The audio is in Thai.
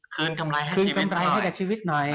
คืนคำไรให้กับชีวิตหน่อย